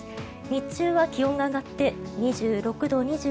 日中は気温が上がって２６度、２７度。